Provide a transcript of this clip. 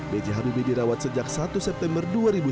bj habibi dirawat sejak satu september dua ribu sembilan belas